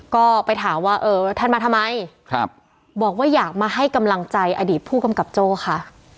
ก็ไปถามว่าเออท่านมาทำไมครับบอกว่าอยากมาให้กำลังใจอดีตผู้กำกับโจ้ค่ะ